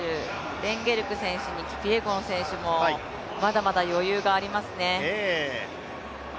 レンゲルク選手に、キピエゴン選手まだまだ余裕がありますね。